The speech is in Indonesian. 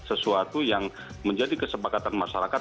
sesuatu yang menjadi kesepakatan masyarakat